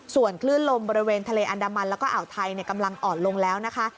ส่วนคลื่นลมบริเวณทะเลอันดามันแล้วก็อ่าวไทยกำลังอ่อนลงแล้วนะคะ